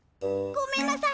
ごめんなさい！